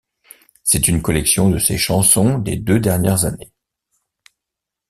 C'est une collection de ses chansons des deux dernières années.